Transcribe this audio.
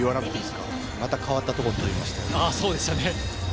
また代わったところに飛びましたよ。